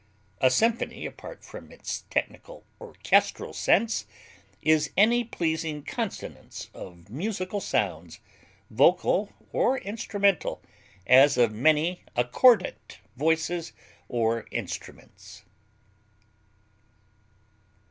A symphony (apart from its technical orchestral sense) is any pleasing consonance of musical sounds, vocal or instrumental, as of many accordant voices or instruments.